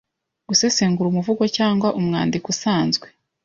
Gusesengura umuvugo cyangwa umwandiko usanzwe